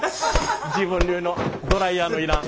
自分流のドライヤーの要らん。